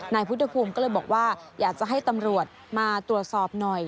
นายพุทธภูมิก็เลยบอกว่าอยากจะให้ตำรวจมาตรวจสอบหน่อย